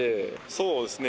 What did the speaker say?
そうですね。